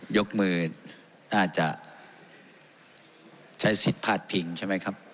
ยกมือน่าจะใช้สิทธิ์พาดพิงใช่ไหมครับ